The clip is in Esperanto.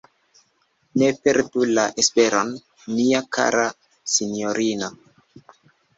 Ne perdu la esperon, mia kara sinjorino!